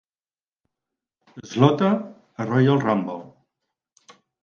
Slaughter a Royal Rumble.